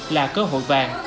là cơ hội vàng